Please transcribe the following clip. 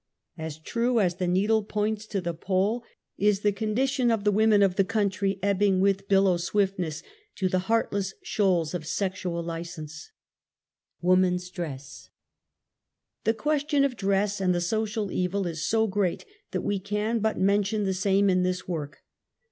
As true as the needle points to the pole, is the con SOCIAL EVIL. 95 dition of the women of the country ebbing with • billow swiftness to the heartless shoals of s exual / li cense . Woman's Dress. The question of dress and the social evil is so great that we can but mention the same in this work.